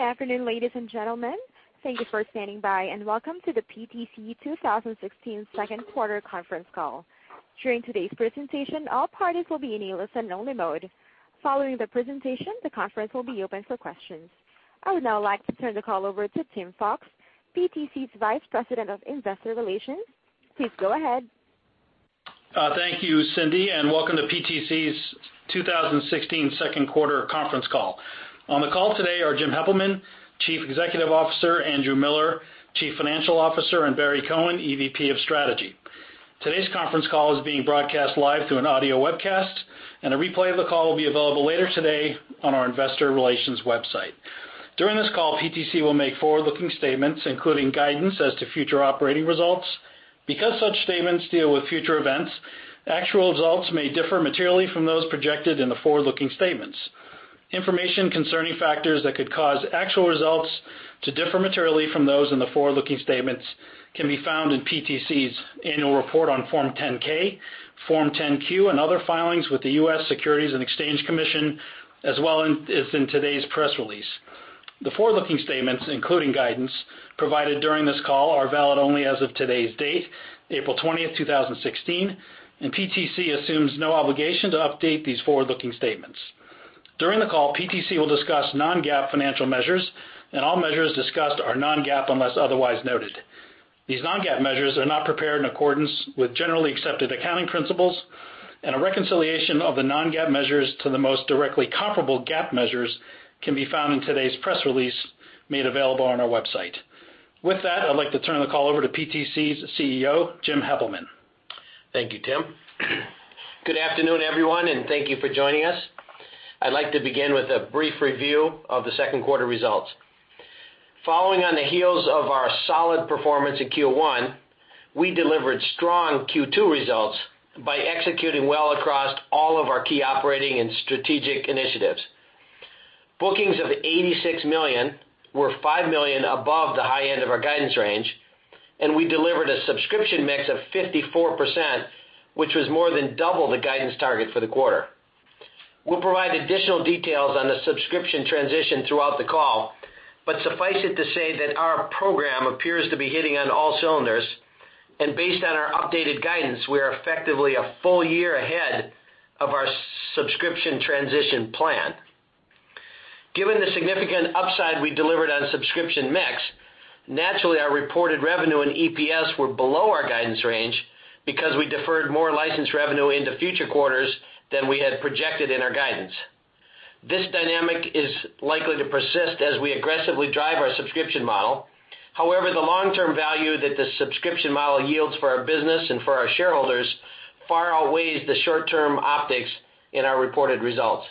Good afternoon, ladies and gentlemen. Thank you for standing by, and welcome to the PTC 2016 second quarter conference call. During today's presentation, all parties will be in a listen-only mode. Following the presentation, the conference will be open for questions. I would now like to turn the call over to Tim Fox, PTC's Vice President of Investor Relations. Please go ahead. Thank you, Cindy, and welcome to PTC's 2016 second quarter conference call. On the call today are Jim Heppelmann, Chief Executive Officer, Andrew Miller, Chief Financial Officer, and Barry Cohen, EVP of Strategy. Today's conference call is being broadcast live through an audio webcast, and a replay of the call will be available later today on our investor relations website. During this call, PTC will make forward-looking statements, including guidance as to future operating results. Because such statements deal with future events, actual results may differ materially from those projected in the forward-looking statements. Information concerning factors that could cause actual results to differ materially from those in the forward-looking statements can be found in PTC's annual report on Form 10-K, Form 10-Q, and other filings with the U.S. Securities and Exchange Commission, as well as in today's press release. The forward-looking statements, including guidance provided during this call, are valid only as of today's date, April 20th, 2016, and PTC assumes no obligation to update these forward-looking statements. During the call, PTC will discuss non-GAAP financial measures, and all measures discussed are non-GAAP unless otherwise noted. These non-GAAP measures are not prepared in accordance with generally accepted accounting principles, and a reconciliation of the non-GAAP measures to the most directly comparable GAAP measures can be found in today's press release made available on our website. With that, I'd like to turn the call over to PTC's CEO, Jim Heppelmann. Thank you, Tim. Good afternoon, everyone, and thank you for joining us. I'd like to begin with a brief review of the second quarter results. Following on the heels of our solid performance in Q1, we delivered strong Q2 results by executing well across all of our key operating and strategic initiatives. Bookings of $86 million were $5 million above the high end of our guidance range, and we delivered a subscription mix of 54%, which was more than double the guidance target for the quarter. We'll provide additional details on the subscription transition throughout the call, but suffice it to say that our program appears to be hitting on all cylinders, and based on our updated guidance, we are effectively a full year ahead of our subscription transition plan. Given the significant upside we delivered on subscription mix, naturally, our reported revenue and EPS were below our guidance range because we deferred more licensed revenue into future quarters than we had projected in our guidance. This dynamic is likely to persist as we aggressively drive our subscription model. However, the long-term value that the subscription model yields for our business and for our shareholders far outweighs the short-term optics in our reported results.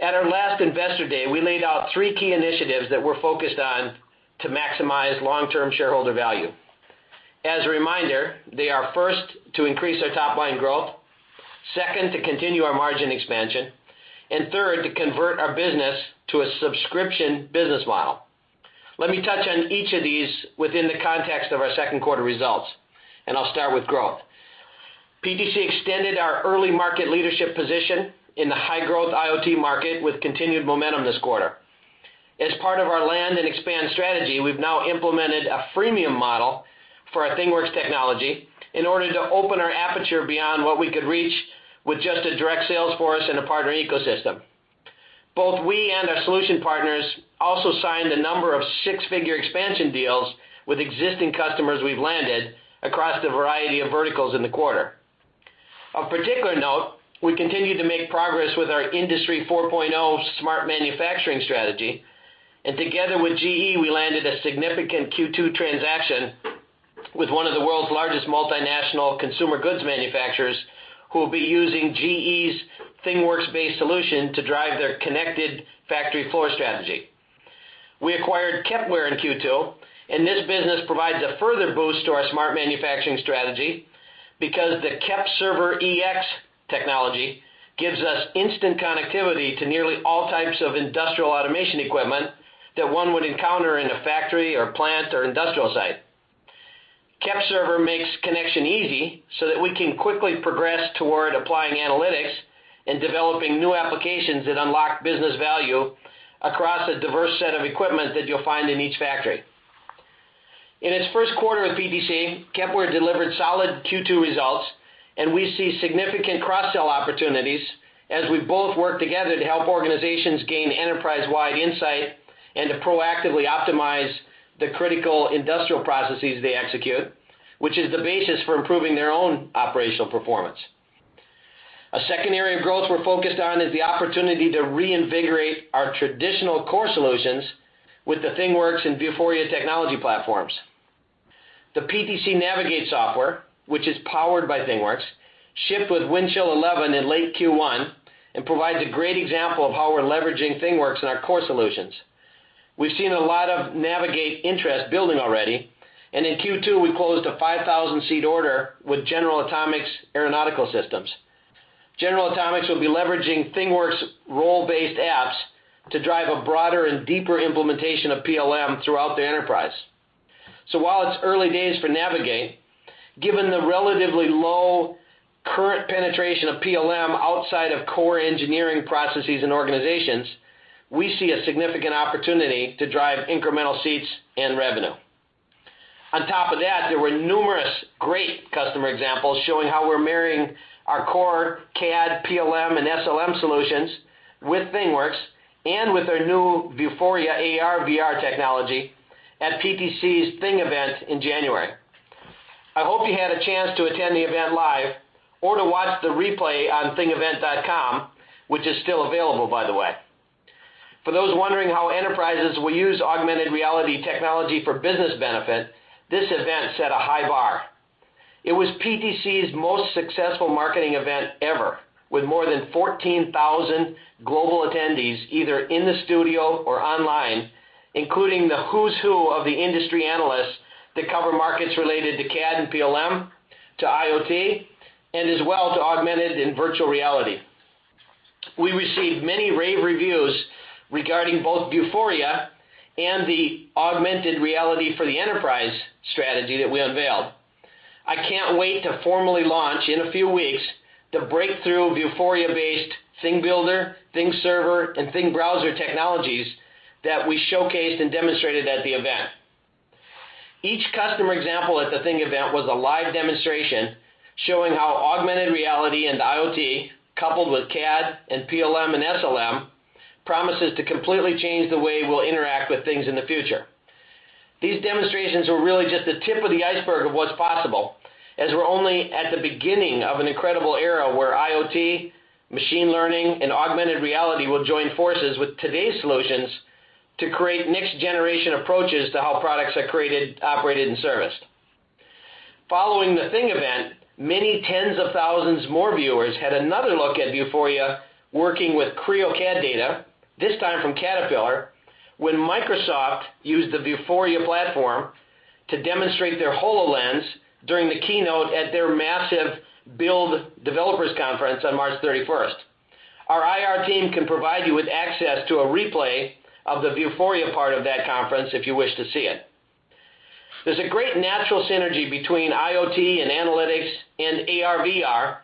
At our last Investor Day, we laid out three key initiatives that we're focused on to maximize long-term shareholder value. As a reminder, they are, first, to increase our top-line growth, second, to continue our margin expansion, and third, to convert our business to a subscription business model. Let me touch on each of these within the context of our second quarter results, and I'll start with growth. PTC extended our early market leadership position in the high-growth IoT market with continued momentum this quarter. As part of our land and expand strategy, we've now implemented a freemium model for our ThingWorx technology in order to open our aperture beyond what we could reach with just a direct sales force and a partner ecosystem. Both we and our solution partners also signed a number of 6-figure expansion deals with existing customers we've landed across the variety of verticals in the quarter. Of particular note, we continued to make progress with our Industry 4.0 smart manufacturing strategy, and together with GE, we landed a significant Q2 transaction with one of the world's largest multinational consumer goods manufacturers, who will be using GE's ThingWorx-based solution to drive their connected factory floor strategy. We acquired Kepware in Q2, this business provides a further boost to our smart manufacturing strategy because the KEPServerEX technology gives us instant connectivity to nearly all types of industrial automation equipment that one would encounter in a factory or plant or industrial site. Kepware makes connection easy so that we can quickly progress toward applying analytics and developing new applications that unlock business value across a diverse set of equipment that you'll find in each factory. In its first quarter with PTC, Kepware delivered solid Q2 results, and we see significant cross-sell opportunities as we both work together to help organizations gain enterprise-wide insight and to proactively optimize the critical industrial processes they execute, which is the basis for improving their own operational performance. A second area of growth we're focused on is the opportunity to reinvigorate our traditional core solutions with the ThingWorx and Vuforia technology platforms. The PTC Navigate software, which is powered by ThingWorx, shipped with Windchill 11 in late Q1 and provides a great example of how we're leveraging ThingWorx in our core solutions. We've seen a lot of Navigate interest building already, in Q2, we closed a 5,000-seat order with General Atomics Aeronautical Systems. General Atomics will be leveraging ThingWorx role-based apps to drive a broader and deeper implementation of PLM throughout their enterprise. While it's early days for Navigate, given the relatively low penetration of PLM outside of core engineering processes and organizations, we see a significant opportunity to drive incremental seats and revenue. On top of that, there were numerous great customer examples showing how we're marrying our core CAD, PLM, and SLM solutions with ThingWorx and with our new Vuforia AR/VR technology at PTC's ThingEvent in January. I hope you had a chance to attend the event live or to watch the replay on thingevent.com, which is still available, by the way. For those wondering how enterprises will use augmented reality technology for business benefit, this event set a high bar. It was PTC's most successful marketing event ever, with more than 14,000 global attendees, either in the studio or online, including the who's who of the industry analysts that cover markets related to CAD and PLM, to IoT, and as well to augmented and virtual reality. We received many rave reviews regarding both Vuforia and the augmented reality for the enterprise strategy that we unveiled. I can't wait to formally launch in a few weeks the breakthrough Vuforia-based ThingBuilder, ThingServer, and ThingBrowser technologies that we showcased and demonstrated at the event. Each customer example at the ThingEvent was a live demonstration showing how augmented reality and IoT, coupled with CAD and PLM and SLM, promises to completely change the way we'll interact with things in the future. These demonstrations were really just the tip of the iceberg of what's possible, as we're only at the beginning of an incredible era where IoT, machine learning, and augmented reality will join forces with today's solutions to create next-generation approaches to how products are created, operated, and serviced. Following the ThingEvent, many tens of thousands more viewers had another look at Vuforia working with Creo CAD data, this time from Caterpillar, when Microsoft used the Vuforia platform to demonstrate their HoloLens during the keynote at their massive Build developers conference on March 31st. Our IR team can provide you with access to a replay of the Vuforia part of that conference if you wish to see it. There's a great natural synergy between IoT and analytics and AR/VR,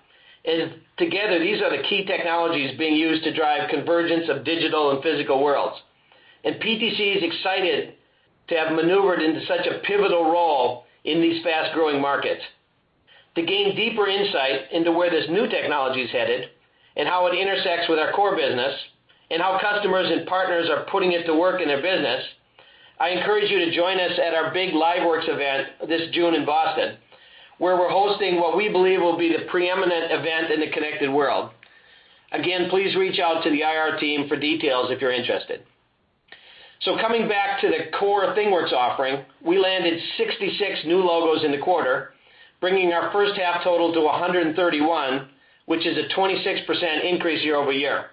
and together, these are the key technologies being used to drive convergence of digital and physical worlds. PTC is excited to have maneuvered into such a pivotal role in these fast-growing markets. To gain deeper insight into where this new technology is headed and how it intersects with our core business, and how customers and partners are putting it to work in their business, I encourage you to join us at our big LiveWorx event this June in Boston, where we're hosting what we believe will be the preeminent event in the connected world. Again, please reach out to the IR team for details if you're interested. Coming back to the core ThingWorx offering, we landed 66 new logos in the quarter, bringing our first-half total to 131, which is a 26% increase year-over-year.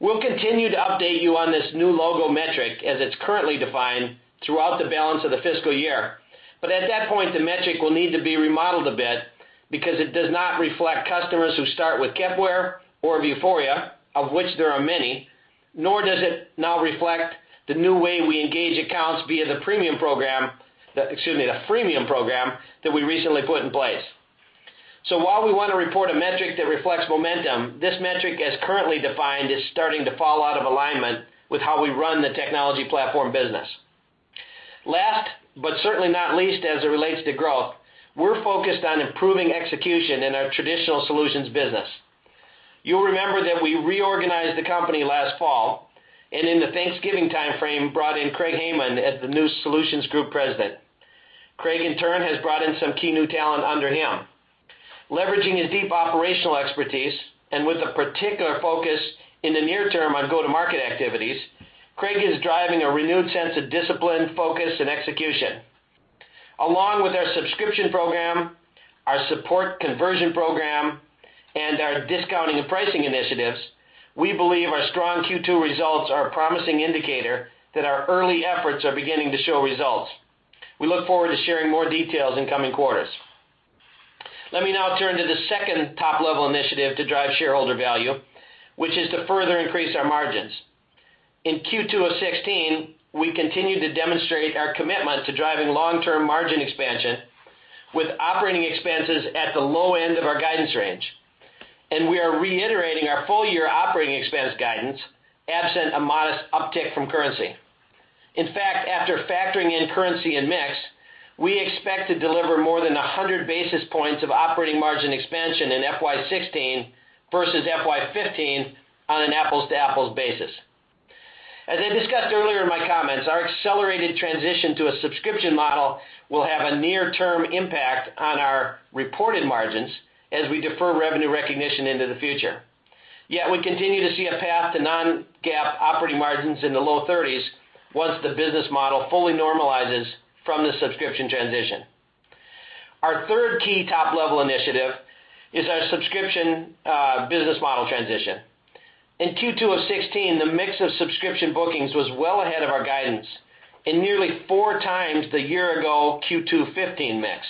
We'll continue to update you on this new logo metric as it's currently defined throughout the balance of the fiscal year. At that point, the metric will need to be remodeled a bit because it does not reflect customers who start with Kepware or Vuforia, of which there are many, nor does it now reflect the new way we engage accounts via the premium program, excuse me, the freemium program that we recently put in place. While we want to report a metric that reflects momentum, this metric as currently defined is starting to fall out of alignment with how we run the technology platform business. Last, but certainly not least as it relates to growth, we are focused on improving execution in our traditional solutions business. You will remember that we reorganized the company last fall, and in the Thanksgiving timeframe, brought in Craig Hayman as the new Solutions Group President. Craig, in turn, has brought in some key new talent under him. Leveraging his deep operational expertise, and with a particular focus in the near term on go-to-market activities, Craig is driving a renewed sense of discipline, focus, and execution. Along with our subscription program, our support conversion program, and our discounting and pricing initiatives, we believe our strong Q2 results are a promising indicator that our early efforts are beginning to show results. We look forward to sharing more details in coming quarters. Let me now turn to the second top-level initiative to drive shareholder value, which is to further increase our margins. In Q2 of 2016, we continued to demonstrate our commitment to driving long-term margin expansion with operating expenses at the low end of our guidance range. We are reiterating our full-year operating expense guidance absent a modest uptick from currency. In fact, after factoring in currency and mix, we expect to deliver more than 100 basis points of operating margin expansion in FY 2016 versus FY 2015 on an apples-to-apples basis. As I discussed earlier in my comments, our accelerated transition to a subscription model will have a near-term impact on our reported margins as we defer revenue recognition into the future. Yet we continue to see a path to non-GAAP operating margins in the low 30s once the business model fully normalizes from the subscription transition. Our third key top-level initiative is our subscription business model transition. In Q2 of 2016, the mix of subscription bookings was well ahead of our guidance and nearly four times the year-ago Q2 2015 mix.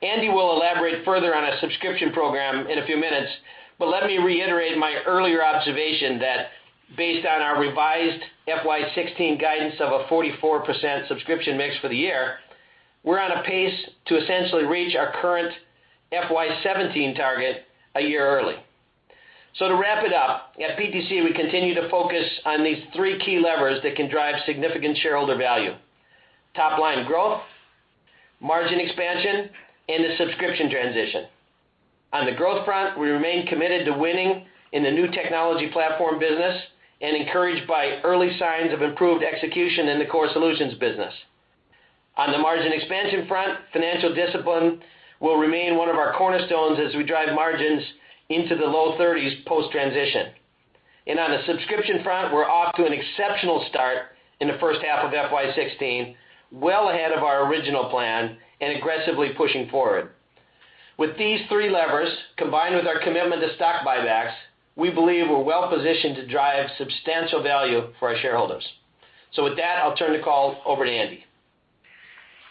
Andy will elaborate further on our subscription program in a few minutes, but let me reiterate my earlier observation that based on our revised FY 2016 guidance of a 44% subscription mix for the year, we are on a pace to essentially reach our current FY 2017 target a year early. To wrap it up, at PTC, we continue to focus on these three key levers that can drive significant shareholder value. Top-line growth, margin expansion, and the subscription transition. On the growth front, we remain committed to winning in the new technology platform business and encouraged by early signs of improved execution in the core solutions business. On the margin expansion front, financial discipline will remain one of our cornerstones as we drive margins into the low 30s post-transition. On the subscription front, we're off to an exceptional start in the first half of FY 2016, well ahead of our original plan, and aggressively pushing forward. With these three levers, combined with our commitment to stock buybacks, we believe we're well positioned to drive substantial value for our shareholders. With that, I'll turn the call over to Andy.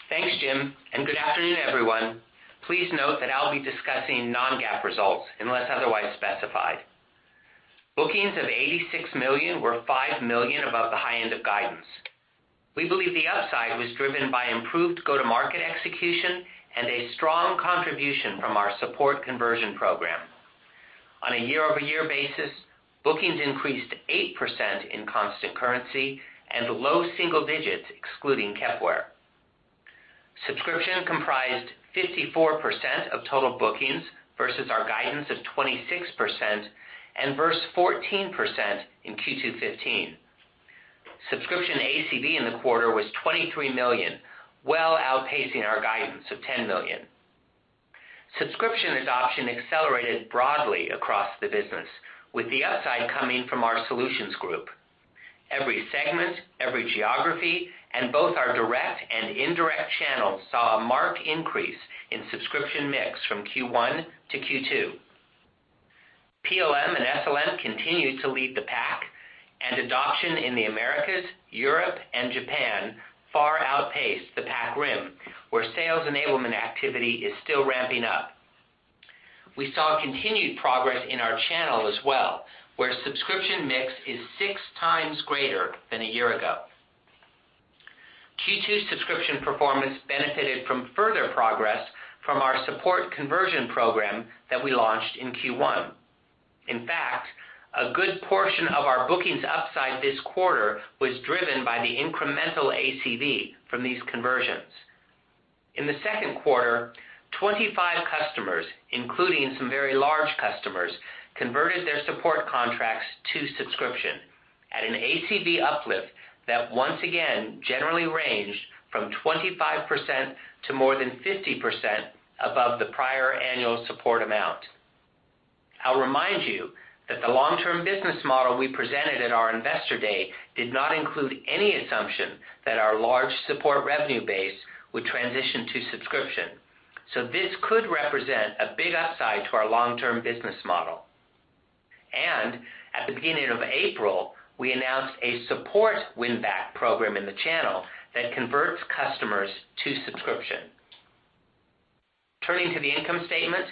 Thanks, Jim, and good afternoon, everyone. Please note that I'll be discussing non-GAAP results unless otherwise specified. Bookings of $86 million were $5 million above the high end of guidance. We believe the upside was driven by improved go-to-market execution and a strong contribution from our support conversion program. On a year-over-year basis, bookings increased 8% in constant currency and low single digits excluding Kepware. Subscription comprised 54% of total bookings versus our guidance of 26% and versus 14% in Q2 2015. Subscription ACV in the quarter was $23 million, well outpacing our guidance of $10 million. Subscription adoption accelerated broadly across the business, with the upside coming from our Solutions Group. Every segment, every geography, and both our direct and indirect channels saw a marked increase in subscription mix from Q1 to Q2. PLM and SLM continued to lead the pack, and adoption in the Americas, Europe, and Japan far outpaced the Pacific Rim, where sales enablement activity is still ramping up. We saw continued progress in our channel as well, where subscription mix is six times greater than a year ago. Q2 subscription performance benefited from further progress from our support conversion program that we launched in Q1. In fact, a good portion of our bookings upside this quarter was driven by the incremental ACV from these conversions. In the second quarter, 25 customers, including some very large customers, converted their support contracts to subscription at an ACV uplift that once again generally ranged from 25% to more than 50% above the prior annual support amount. I'll remind you that the long-term business model we presented at our investor day did not include any assumption that our large support revenue base would transition to subscription. This could represent a big upside to our long-term business model. At the beginning of April, we announced a support win-back program in the channel that converts customers to subscription. Turning to the income statement,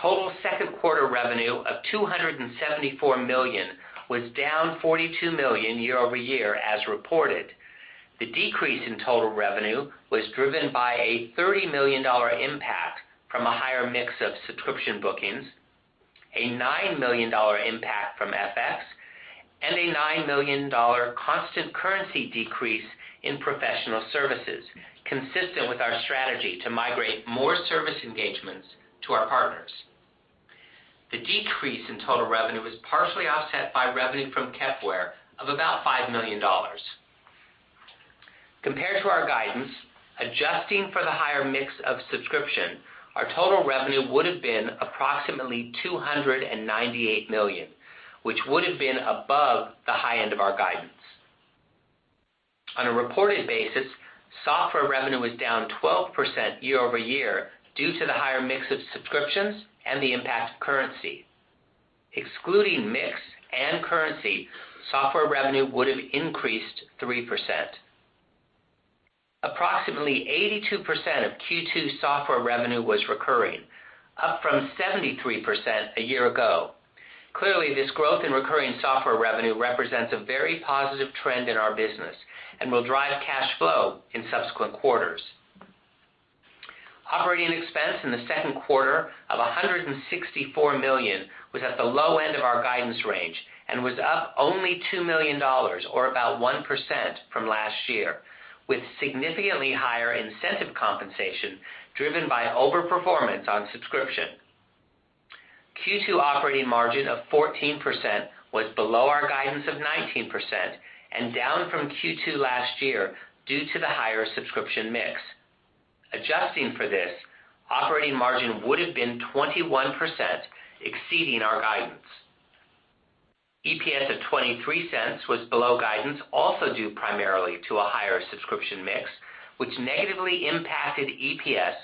total second quarter revenue of $274 million was down $42 million year-over-year as reported. The decrease in total revenue was driven by a $30 million impact from a higher mix of subscription bookings, a $9 million impact from FX, and a $9 million constant currency decrease in professional services, consistent with our strategy to migrate more service engagements to our partners. The decrease in total revenue was partially offset by revenue from Kepware of about $5 million. Compared to our guidance, adjusting for the higher mix of subscription, our total revenue would have been approximately $298 million, which would have been above the high end of our guidance. On a reported basis, software revenue was down 12% year-over-year due to the higher mix of subscriptions and the impact of currency. Excluding mix and currency, software revenue would have increased 3%. Approximately 82% of Q2 software revenue was recurring, up from 73% a year ago. Clearly, this growth in recurring software revenue represents a very positive trend in our business and will drive cash flow in subsequent quarters. Operating expense in the second quarter of $164 million was at the low end of our guidance range and was up only $2 million, or about 1% from last year, with significantly higher incentive compensation driven by overperformance on subscription. Q2 operating margin of 14% was below our guidance of 19% and down from Q2 last year due to the higher subscription mix. Adjusting for this, operating margin would have been 21%, exceeding our guidance. EPS of $0.23 was below guidance, also due primarily to a higher subscription mix, which negatively impacted EPS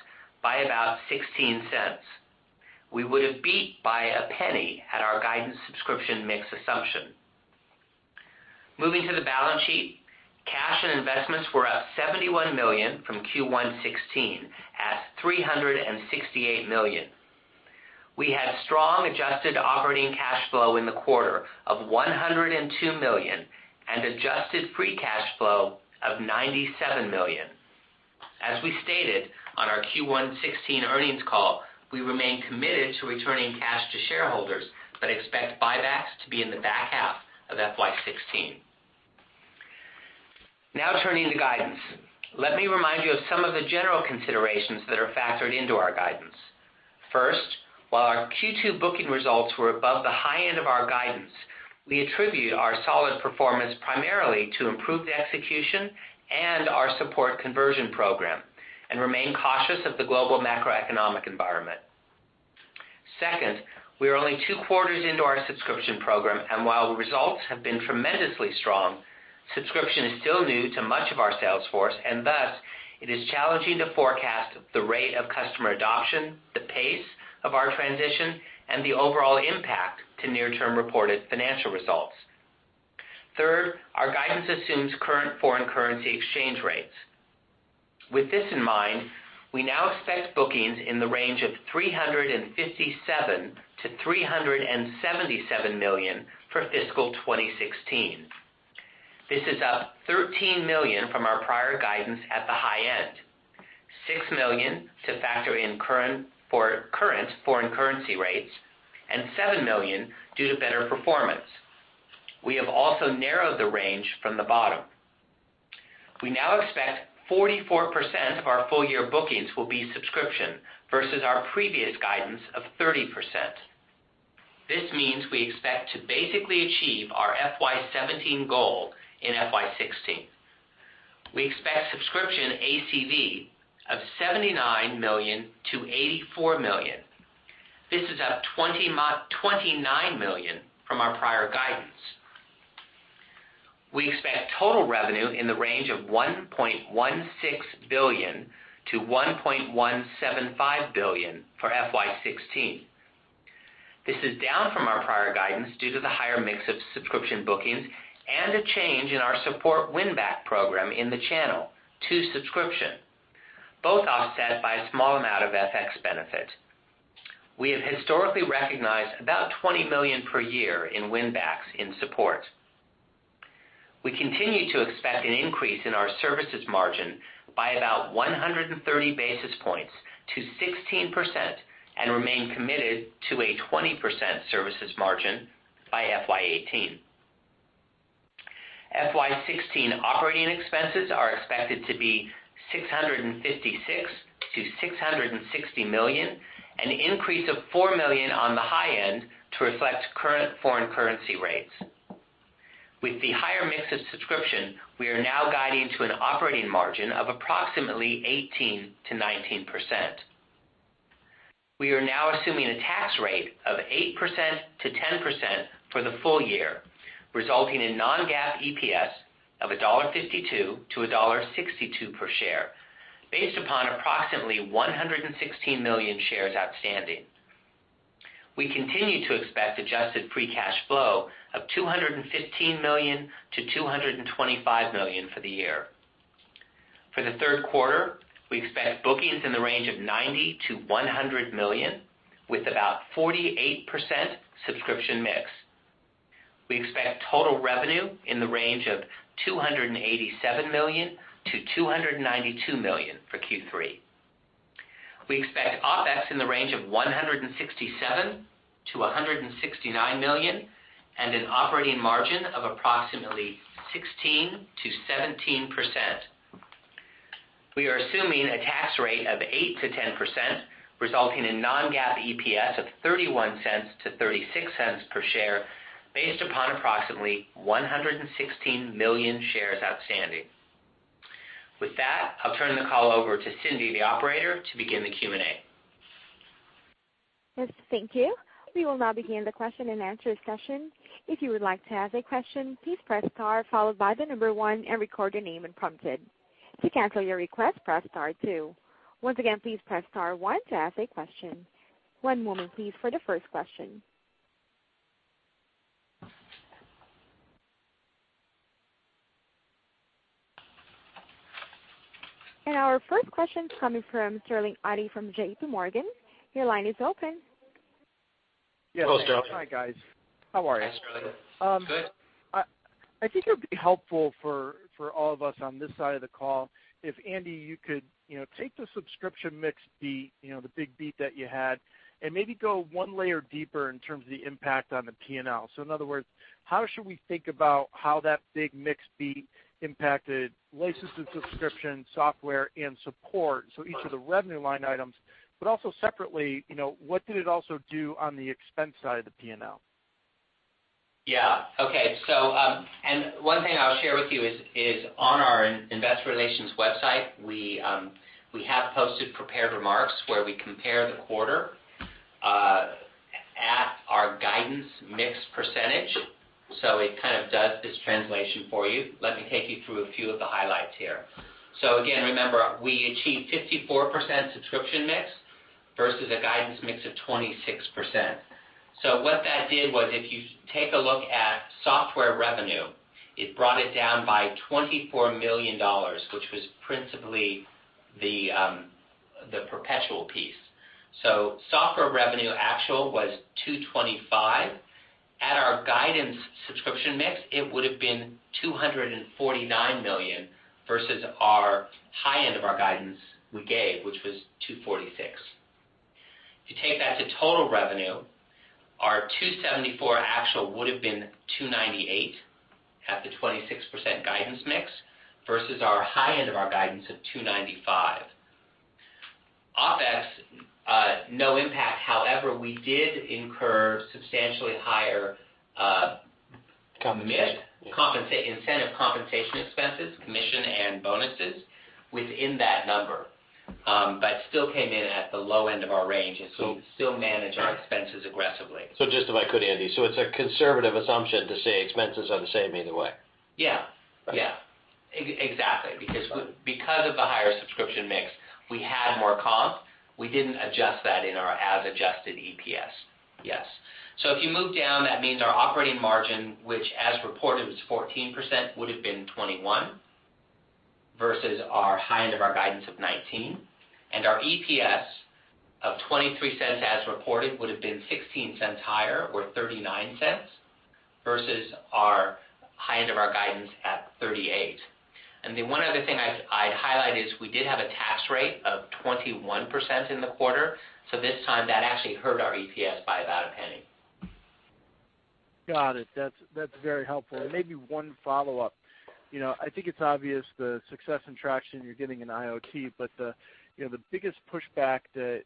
by about $0.16. We would have beat by a penny had our guidance subscription mix assumption. Moving to the balance sheet, cash and investments were up $71 million from Q1 2016 at $368 million. We had strong adjusted operating cash flow in the quarter of $102 million and adjusted free cash flow of $97 million. As we stated on our Q1 2016 earnings call, we remain committed to returning cash to shareholders but expect buybacks to be in the back half of FY 2016. Now turning to guidance. Let me remind you of some of the general considerations that are factored into our guidance. First, while our Q2 booking results were above the high end of our guidance, we attribute our solid performance primarily to improved execution and our support conversion program and remain cautious of the global macroeconomic environment. Second, we are only two quarters into our subscription program, and while the results have been tremendously strong, subscription is still new to much of our sales force, and thus, it is challenging to forecast the rate of customer adoption, the pace of our transition, and the overall impact to near-term reported financial results. Third, our guidance assumes current foreign currency exchange rates. With this in mind, we now expect bookings in the range of $357 million-$377 million for fiscal 2016. This is up $13 million from our prior guidance at the high end, $6 million to factor in current foreign currency rates, and $7 million due to better performance. We have also narrowed the range from the bottom. We now expect 44% of our full-year bookings will be subscription versus our previous guidance of 30%. This means we expect to basically achieve our FY 2017 goal in FY 2016. We expect subscription ACV of $79 million-$84 million. This is up $29 million from our prior guidance. We expect total revenue in the range of $1.16 billion-$1.175 billion for FY 2016. This is down from our prior guidance due to the higher mix of subscription bookings and a change in our support win-back program in the channel to subscription, both offset by a small amount of FX benefit. We have historically recognized about $20 million per year in win backs in support. We continue to expect an increase in our services margin by about 130 basis points to 16% and remain committed to a 20% services margin by FY 2018. FY 2016 operating expenses are expected to be $656 million-$660 million, an increase of $4 million on the high end to reflect current foreign currency rates. With the higher mix of subscription, we are now guiding to an operating margin of approximately 18%-19%. We are now assuming a tax rate of 8%-10% for the full year, resulting in non-GAAP EPS of $1.52-$1.62 per share based upon approximately 116 million shares outstanding. We continue to expect adjusted free cash flow of $215 million-$225 million for the year. For the third quarter, we expect bookings in the range of $90 million-$100 million, with about 48% subscription mix. We expect total revenue in the range of $287 million-$292 million for Q3. We expect OPEX in the range of $167 million-$169 million and an operating margin of approximately 16%-17%. We are assuming a tax rate of 8%-10%, resulting in non-GAAP EPS of $0.31-$0.36 per share based upon approximately 116 million shares outstanding. With that, I'll turn the call over to Cindy, the operator, to begin the Q&A. Yes, thank you. We will now begin the question-and-answer session. If you would like to ask a question, please press star followed by the number one and record your name when prompted. To cancel your request, press star two. Once again, please press star one to ask a question. One moment please for the first question. And our first question coming from Sterling Auty from JPMorgan. Your line is open. Yes. Hello, Sterling. Hi, guys. How are you? Hi, Sterling. Good. I think it would be helpful for all of us on this side of the call if, Andy, you could take the subscription mix beat, the big beat that you had, and maybe go one layer deeper in terms of the impact on the P&L. In other words, how should we think about how that big mix beat impacted licenses, subscription, software, and support, each of the revenue line items, but also separately, what did it also do on the expense side of the P&L? Yeah. Okay. One thing I'll share with you is on our investor relations website, we have posted prepared remarks where we compare the quarter at our guidance mix percentage. It kind of does this translation for you. Let me take you through a few of the highlights here. Again, remember, we achieved 54% subscription mix versus a guidance mix of 26%. What that did was, if you take a look at software revenue, it brought it down by $24 million, which was principally the perpetual piece. Software revenue actual was $225 million. At our guidance subscription mix, it would've been $249 million versus our high end of our guidance we gave, which was $246 million. If you take that to total revenue, our $274 million actual would've been $298 million at the 26% guidance mix, versus our high end of our guidance of $295 million. OpEx, no impact. we did incur substantially higher- Commission incentive compensation expenses, commission and bonuses within that number. Still came in at the low end of our range, still managed our expenses aggressively. Just if I could, Andy, it's a conservative assumption to say expenses are the same either way? Yeah. Exactly. Because of the higher subscription mix, we had more comp. We didn't adjust that in our as-adjusted EPS. Yes. If you move down, that means our operating margin, which as reported was 14%, would've been 21%, versus our high end of our guidance of 19%. Our EPS of $0.23 as reported would've been $0.16 higher, or $0.39, versus our high end of our guidance at $0.38. The one other thing I'd highlight is we did have a tax rate of 21% in the quarter, this time that actually hurt our EPS by about $0.01. Got it. That's very helpful. Maybe one follow-up. I think it's obvious the success and traction you're getting in IoT, the biggest pushback that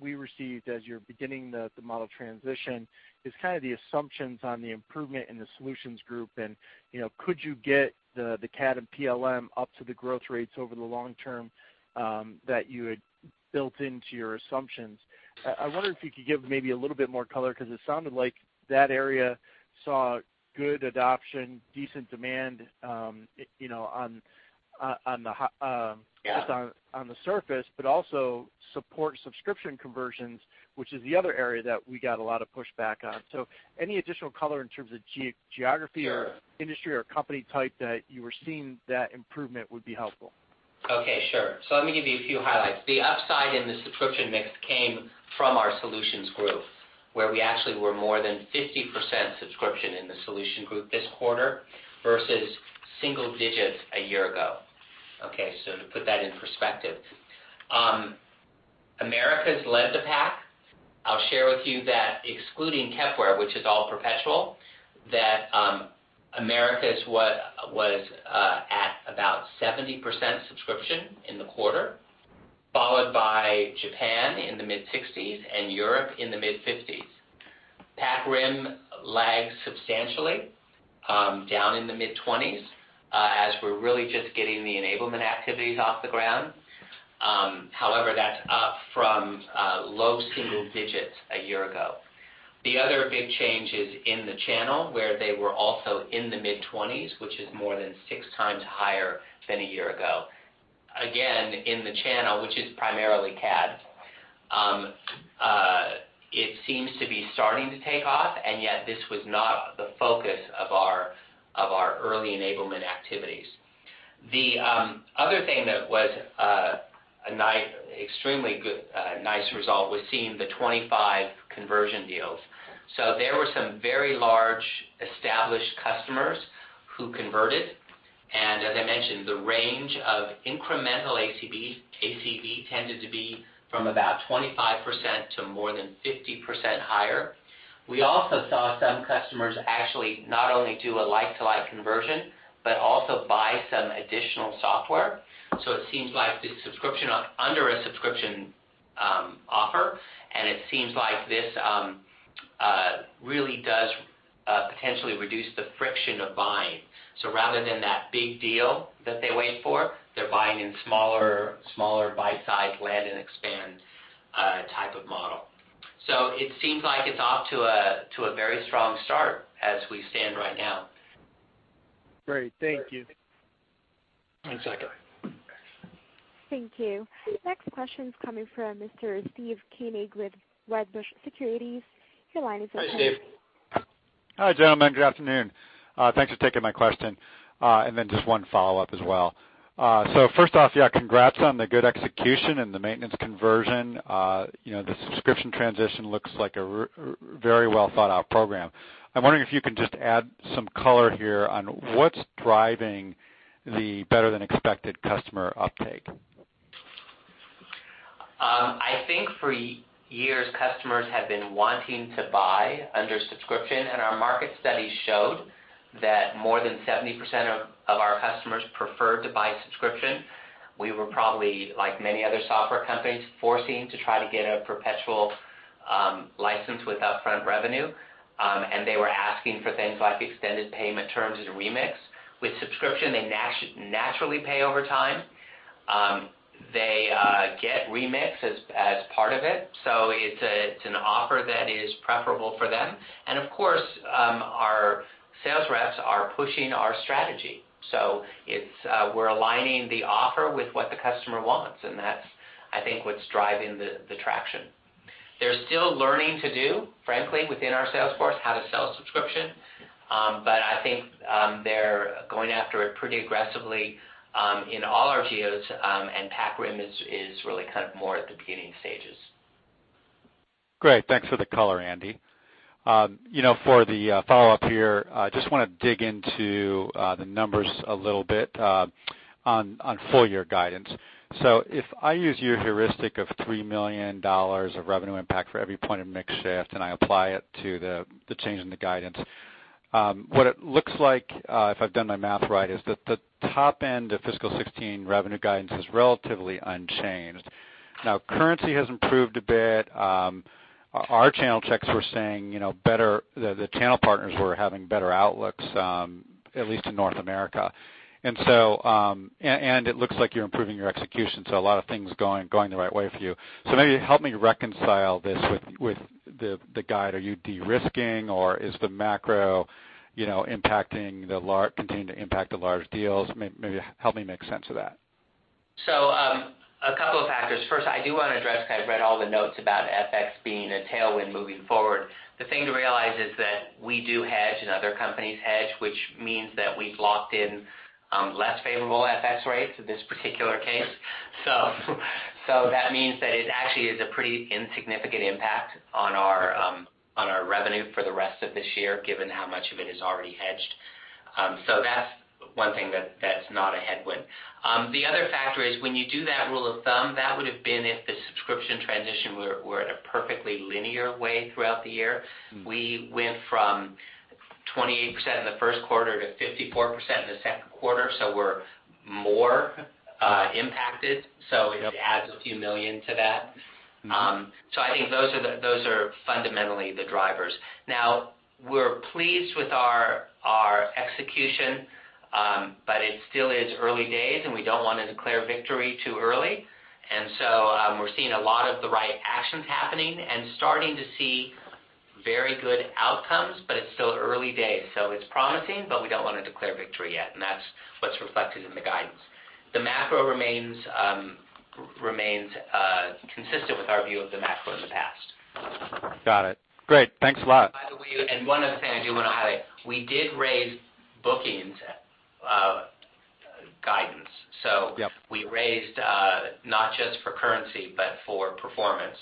we received as you're beginning the model transition is kind of the assumptions on the improvement in the Solutions Group and could you get the CAD and PLM up to the growth rates over the long term that you had built into your assumptions. I wonder if you could give maybe a little bit more color, because it sounded like that area saw good adoption, decent demand on the- Yeah just on the surface, also support subscription conversions, which is the other area that we got a lot of pushback on. Any additional color in terms of geography or- Sure industry or company type that you were seeing that improvement would be helpful. Okay, sure. Let me give you a few highlights. The upside in the subscription mix came from our Solutions Group, where we actually were more than 50% subscription in the Solutions Group this quarter versus single digits a year ago. Okay. To put that in perspective. Americas led the pack. I'll share with you that excluding Kepware, which is all perpetual, that Americas was at about 70% subscription in the quarter, followed by Japan in the mid-60s and Europe in the mid-50s. Pac-Rim lags substantially, down in the mid-20s, as we're really just getting the enablement activities off the ground. That's up from low single digits a year ago. The other big change is in the channel where they were also in the mid-20s, which is more than six times higher than a year ago. Again, in the channel, which is primarily CAD. It seems to be starting to take off, yet this was not the focus of our early enablement activities. The other thing that was extremely nice result was seeing the 25 conversion deals. There were some very large established customers who converted, and as I mentioned, the range of incremental ACV tended to be from about 25% to more than 50% higher. We also saw some customers actually not only do a like-to-like conversion, but also buy some additional software. It seems like under a subscription offer, and it seems like this really does potentially reduce the friction of buying. Rather than that big deal that they wait for, they're buying in smaller, bite-size land and expand type of model. It seems like it's off to a very strong start as we stand right now. Great. Thank you. One second. Thank you. The next question's coming from Mr. Steve Koenig with Wedbush Securities. Your line is open. Hi, Dave. Hi, gentlemen. Good afternoon. Thanks for taking my question. Just one follow-up as well. First off, yeah, congrats on the good execution and the maintenance conversion. The subscription transition looks like a very well-thought-out program. I'm wondering if you can just add some color here on what's driving the better than expected customer uptake. I think for years customers have been wanting to buy under subscription, and our market studies showed that more than 70% of our customers preferred to buy subscription. We were probably, like many other software companies, forcing to try to get a perpetual license with upfront revenue. They were asking for things like extended payment terms and remix. With subscription, they naturally pay over time. They get remix as part of it. It's an offer that is preferable for them. And of course, our sales reps are pushing our strategy. We're aligning the offer with what the customer wants, and that's, I think, what's driving the traction. They're still learning to do, frankly, within our sales force, how to sell subscription. I think they're going after it pretty aggressively, in all our geos, and Pac Rim is really more at the beginning stages. Great. Thanks for the color, Andy. For the follow-up here, I just want to dig into the numbers a little bit on full-year guidance. If I use your heuristic of $3 million of revenue impact for every point of mix shift, and I apply it to the change in the guidance, what it looks like, if I've done my math right, is that the top end of fiscal 2016 revenue guidance is relatively unchanged. Now, currency has improved a bit. Our channel checks were saying the channel partners were having better outlooks, at least in North America. It looks like you're improving your execution, so a lot of things going the right way for you. Maybe help me reconcile this with the guide. Are you de-risking or is the macro continuing to impact the large deals? Maybe help me make sense of that. A couple of factors. First, I do want to address, because I've read all the notes about FX being a tailwind moving forward. The thing to realize is that we do hedge and other companies hedge, which means that we've locked in less favorable FX rates in this particular case. That means that it actually is a pretty insignificant impact on our revenue for the rest of this year, given how much of it is already hedged. That's one thing that's not a headwind. The other factor is when you do that rule of thumb, that would've been if the subscription transition were at a perfectly linear way throughout the year. We went from 28% in the first quarter to 54% in the second quarter, we're more impacted. It adds a few million to that. I think those are fundamentally the drivers. We're pleased with our execution, but it still is early days, and we don't want to declare victory too early. We're seeing a lot of the right actions happening and starting to see very good outcomes, but it's still early days. It's promising, but we don't want to declare victory yet, and that's what's reflected in the guidance. The macro remains consistent with our view of the macro in the past. Got it. Great. Thanks a lot. One other thing I do want to highlight, we did raise bookings guidance. Yep. We raised, not just for currency, but for performance.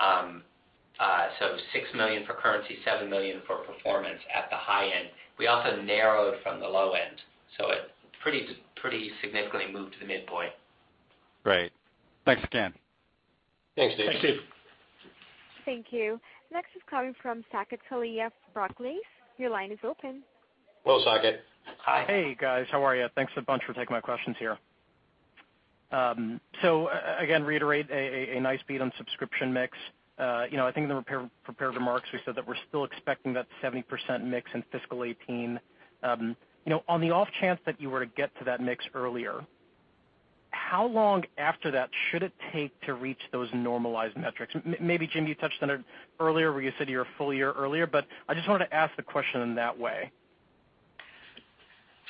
$6 million for currency, $7 million for performance at the high end. We also narrowed from the low end, so it pretty significantly moved to the midpoint. Great. Thanks again. Thanks, Steve. Thanks, Steve. Thank you. Next is coming from Saket Kalia from Barclays. Your line is open. Hello, Saket. Hi. Hey, guys. How are you? Thanks a bunch for taking my questions here. Again, to reiterate, a nice beat on subscription mix. I think in the prepared remarks, you said that we're still expecting that 70% mix in fiscal 2018. On the off chance that you were to get to that mix earlier, how long after that should it take to reach those normalized metrics? Maybe, Jim, you touched on it earlier where you said you're a full year earlier. I just wanted to ask the question in that way.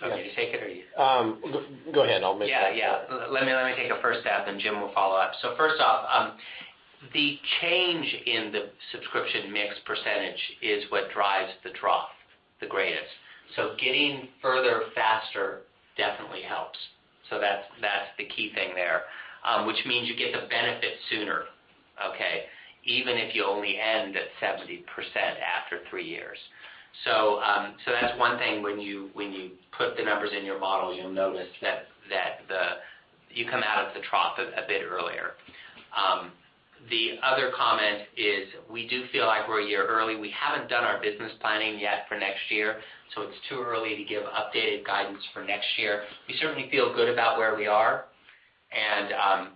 Okay. You take it or you- Go ahead. Yeah. Let me take a first stab, then Jim will follow up. First off, the change in the subscription mix % is what drives the trough the greatest. Getting further faster definitely helps. That's the key thing there. Which means you get the benefit sooner, okay? Even if you only end at 70% after 3 years. That's one thing when you put the numbers in your model, you'll notice that you come out of the trough a bit earlier. The other comment is we do feel like we're a year early. We haven't done our business planning yet for next year, so it's too early to give updated guidance for next year. We certainly feel good about where we are, and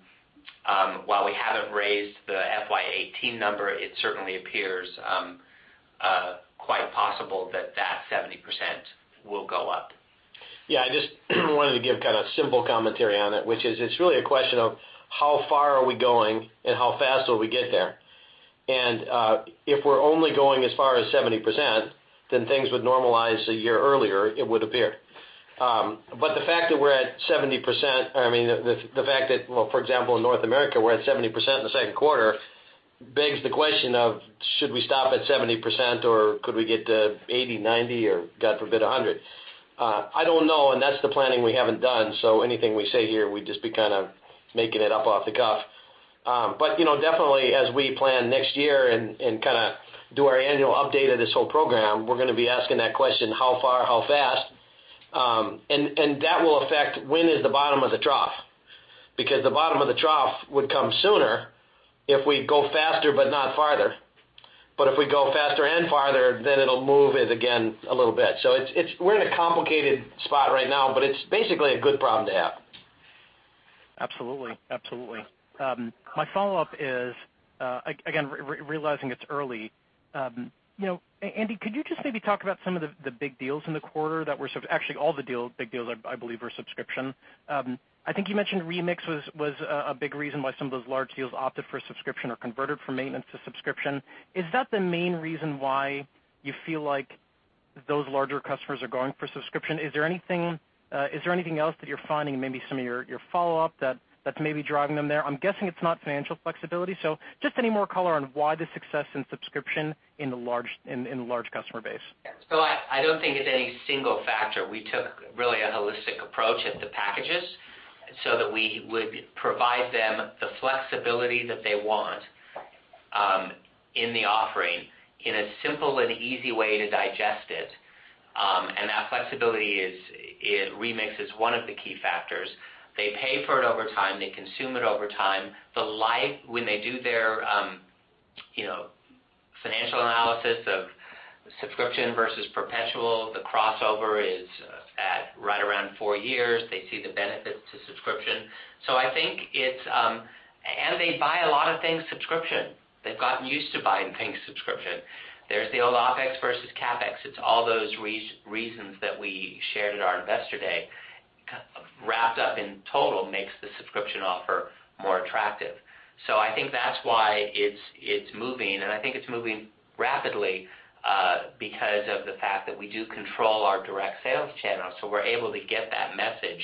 while we haven't raised the FY 2018 number, it certainly appears quite possible that that 70% will go up. Yeah, I just wanted to give simple commentary on it, which is it's really a question of how far are we going and how fast will we get there. If we're only going as far as 70%, then things would normalize a year earlier, it would appear. The fact that we're at 70%, I mean, the fact that, for example, in North America, we're at 70% in the second quarter, begs the question of should we stop at 70% or could we get to 80, 90, or God forbid, 100? I don't know, that's the planning we haven't done, anything we say here would just be kind of making it up off the cuff. Definitely as we plan next year and do our annual update of this whole program, we're going to be asking that question, how far, how fast? That will affect when is the bottom of the trough, because the bottom of the trough would come sooner if we go faster, but not farther. If we go faster and farther, it'll move it again a little bit. We're in a complicated spot right now, but it's basically a good problem to have. Absolutely. My follow-up is, again, realizing it's early, Andy, could you just maybe talk about some of the big deals in the quarter that were. Actually, all the big deals, I believe, were subscription. I think you mentioned Remix was a big reason why some of those large deals opted for subscription or converted from maintenance to subscription. Is that the main reason why you feel like those larger customers are going for subscription? Is there anything else that you're finding, maybe some of your follow-up that's maybe driving them there? I'm guessing it's not financial flexibility. Just any more color on why the success in subscription in the large customer base. I don't think it's any single factor. We took really a holistic approach at the packages so that we would provide them the flexibility that they want in the offering in a simple and easy way to digest it. That flexibility is, Remix is one of the key factors. They pay for it over time. They consume it over time. The life, when they do their financial analysis of subscription versus perpetual, the crossover is at right around four years. They see the benefits to subscription. They buy a lot of things subscription. They've gotten used to buying things subscription. There's the old OpEx versus CapEx. It's all those reasons that we shared at our investor day, wrapped up in total, makes the subscription offer more attractive. I think that's why it's moving, and I think it's moving rapidly, because of the fact that we do control our direct sales channel. We're able to get that message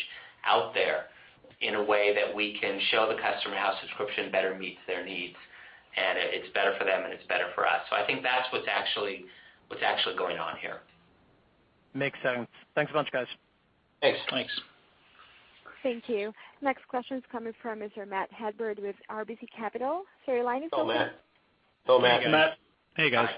out there in a way that we can show the customer how subscription better meets their needs, and it's better for them and it's better for us. I think that's what's actually going on here. Makes sense. Thanks a bunch, guys. Thanks. Thanks. Thank you. Next question is coming from Mr. Matt Hedberg with RBC Capital. Sir, your line is open. Go, Matt. Go, Matt. Hey, guys.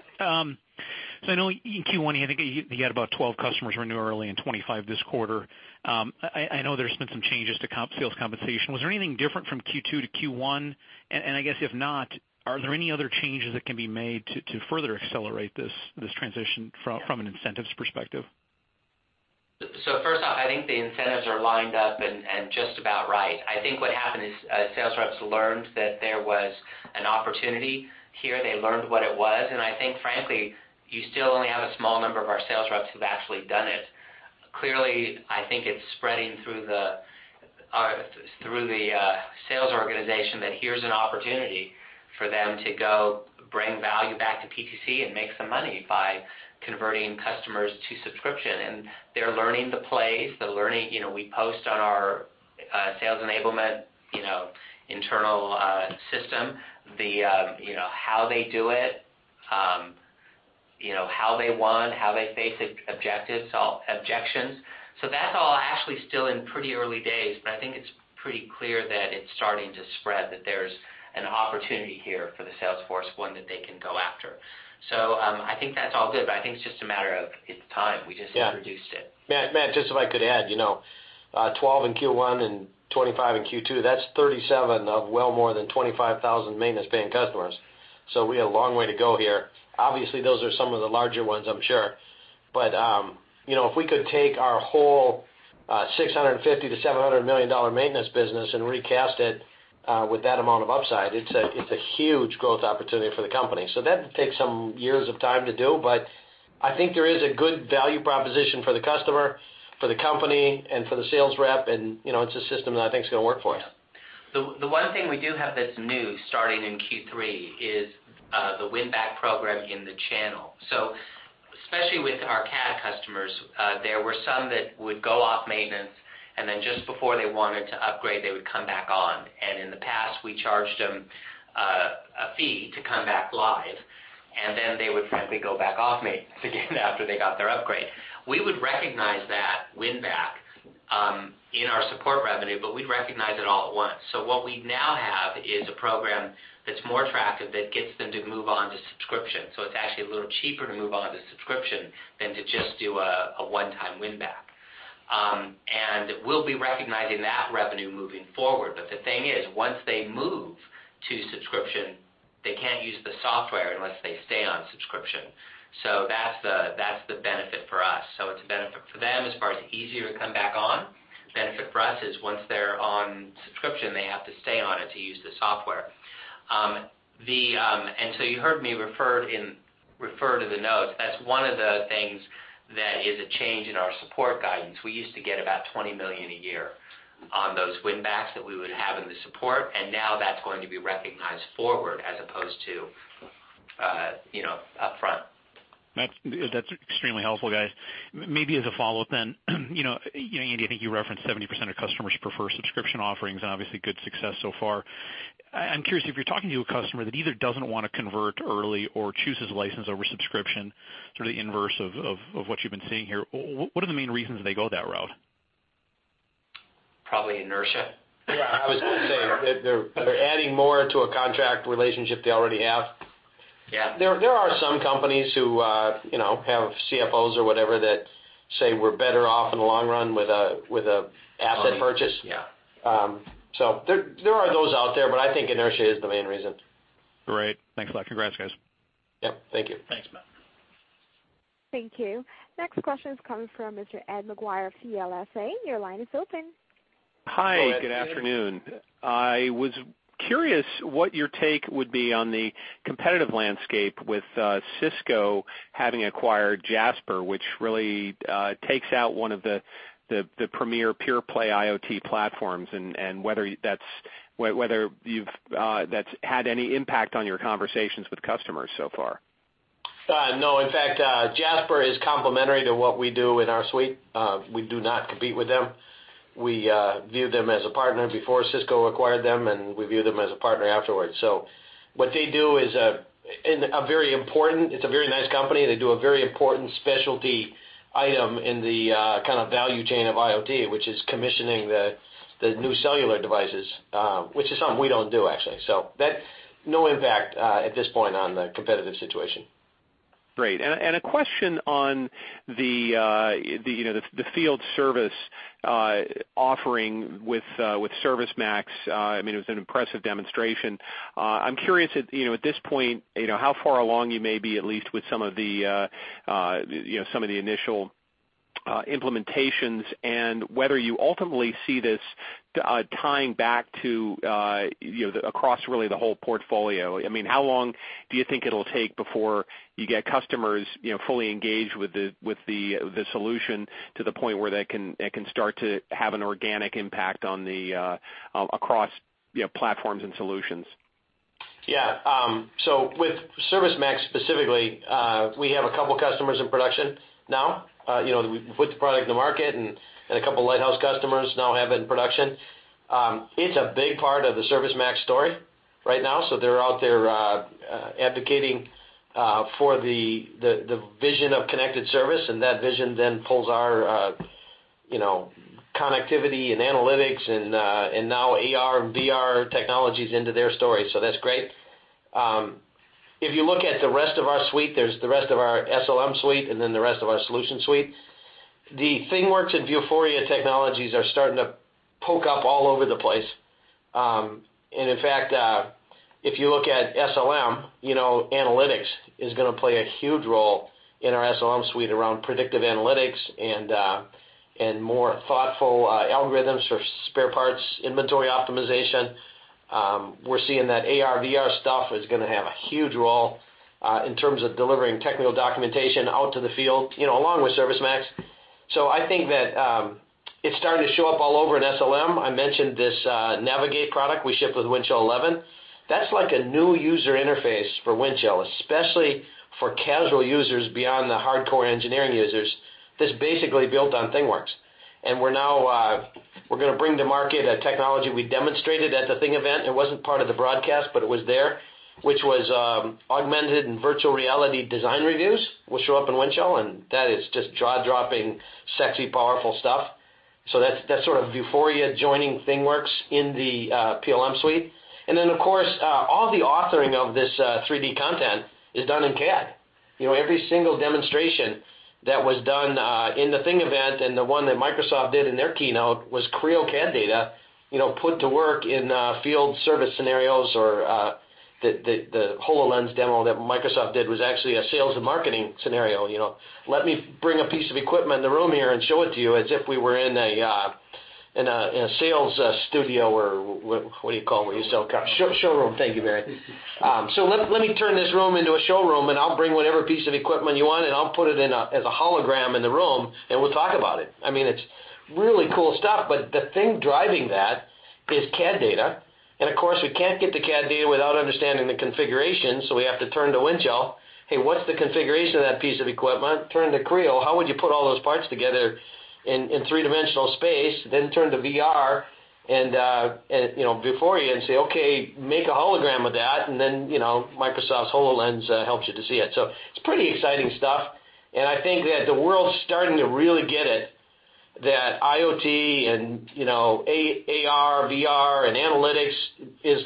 I know in Q1, I think you had about 12 customers renew early and 25 this quarter. I know there's been some changes to sales compensation. Was there anything different from Q2 to Q1? I guess if not, are there any other changes that can be made to further accelerate this transition from an incentives perspective? First off, I think the incentives are lined up and just about right. I think what happened is sales reps learned that there was an opportunity here. They learned what it was. I think frankly, you still only have a small number of our sales reps who've actually done it. Clearly, I think it's spreading through the sales organization that here's an opportunity for them to go bring value back to PTC and make some money by converting customers to subscription. They're learning the plays. We post on our sales enablement internal system, how they do it, how they won, how they face objections. That's all actually still in pretty early days, but I think it's pretty clear that it's starting to spread, that there's an opportunity here for the sales force, one that they can go after. I think that's all good, but I think it's just a matter of it's time. We just introduced it. Matt, just if I could add, 12 in Q1 and 25 in Q2, that's 37 of well more than 25,000 maintenance-paying customers. We have a long way to go here. Obviously, those are some of the larger ones, I'm sure. If we could take our whole $650 million to $700 million maintenance business and recast it with that amount of upside, it's a huge growth opportunity for the company. That takes some years of time to do, but I think there is a good value proposition for the customer, for the company and for the sales rep, and it's a system that I think is going to work for us. The one thing we do have that's new starting in Q3 is the win-back program in the channel. Especially with our CAD customers, there were some that would go off maintenance, and then just before they wanted to upgrade, they would come back on. In the past, we charged them a fee to come back live, and then they would frankly go back off maintenance again after they got their upgrade. We would recognize that win back in our support revenue, but we'd recognize it all at once. What we now have is a program that's more attractive that gets them to move on to subscription. It's actually a little cheaper to move on to subscription than to just do a one-time win back. We'll be recognizing that revenue moving forward. The thing is, once they move to subscription, they can't use the software unless they stay on subscription. That's the benefit for us. It's a benefit for them as far as easier to come back on. Benefit for us is once they're on subscription, they have to stay on it to use the software. You heard me refer to the notes as one of the things that is a change in our support guidance. We used to get about $20 million a year on those win backs that we would have in the support, and now that's going to be recognized forward as opposed to upfront. That's extremely helpful, guys. Maybe as a follow-up, Andy, I think you referenced 70% of customers prefer subscription offerings and obviously good success so far. I'm curious if you're talking to a customer that either doesn't want to convert early or chooses license over subscription, sort of the inverse of what you've been seeing here, what are the main reasons they go that route? Probably inertia. Yeah, I was going to say, they're adding more to a contract relationship they already have. Yeah. There are some companies who have CFOs or whatever that say we're better off in the long run with an asset purchase. Yeah. There are those out there, but I think inertia is the main reason. Great. Thanks a lot. Congrats, guys. Yep. Thank you. Thanks, Matt. Thank you. Next question is coming from Mr. Ed Maguire of CLSA. Your line is open. Hi, Ed. Hi. Good afternoon. I was curious what your take would be on the competitive landscape with Cisco having acquired Jasper, which really takes out one of the premier pure play IoT platforms, and whether that's Whether that's had any impact on your conversations with customers so far? No. In fact, Jasper is complementary to what we do in our suite. We do not compete with them. We viewed them as a partner before Cisco acquired them, and we view them as a partner afterward. What they do is very important. It's a very nice company, and they do a very important specialty item in the value chain of IoT, which is commissioning the new cellular devices, which is something we don't do, actually. No impact at this point on the competitive situation. Great. A question on the field service offering with ServiceMax. It was an impressive demonstration. I'm curious, at this point, how far along you may be, at least with some of the initial implementations and whether you ultimately see this tying back to across really the whole portfolio. How long do you think it'll take before you get customers fully engaged with the solution to the point where they can start to have an organic impact across platforms and solutions? Yeah. With ServiceMax specifically, we have a couple of customers in production now. We've put the product in the market, and a couple of lighthouse customers now have it in production. It's a big part of the ServiceMax story right now. They're out there advocating for the vision of connected service, and that vision then pulls our connectivity and analytics and now AR and VR technologies into their story. That's great. If you look at the rest of our suite, there's the rest of our SLM suite and then the rest of our solution suite. The ThingWorx and Vuforia technologies are starting to poke up all over the place. In fact, if you look at SLM, analytics is going to play a huge role in our SLM suite around predictive analytics and more thoughtful algorithms for spare parts inventory optimization. We're seeing that AR, VR stuff is going to have a huge role in terms of delivering technical documentation out to the field, along with ServiceMax. I think that it's starting to show up all over in SLM. I mentioned this Navigate product we ship with Windchill 11. That's like a new user interface for Windchill, especially for casual users beyond the hardcore engineering users. That's basically built on ThingWorx. We're going to bring to market a technology we demonstrated at the ThingEvent. It wasn't part of the broadcast, but it was there, which was augmented and virtual reality design reviews will show up in Windchill, and that is just jaw-dropping, sexy, powerful stuff. That's sort of Vuforia joining ThingWorx in the PLM suite. Then, of course, all the authoring of this 3D content is done in CAD. Every single demonstration that was done in the ThingEvent and the one that Microsoft did in their keynote was Creo CAD data put to work in field service scenarios or the HoloLens demo that Microsoft did was actually a sales and marketing scenario. Let me bring a piece of equipment in the room here and show it to you as if we were in a sales studio or what do you call where you sell cars? Showroom. Thank you, Mary. Let me turn this room into a showroom, and I'll bring whatever piece of equipment you want, and I'll put it in as a hologram in the room, and we'll talk about it. It's really cool stuff, the thing driving that is CAD data. Of course, we can't get the CAD data without understanding the configuration, we have to turn to Windchill. Hey, what's the configuration of that piece of equipment? Turn to Creo. How would you put all those parts together in three-dimensional space? Then turn to VR and Vuforia and say, "Okay, make a hologram of that." Then Microsoft's HoloLens helps you to see it. It's pretty exciting stuff. I think that the world's starting to really get it, that IoT and AR, VR, and analytics is